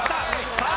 さあ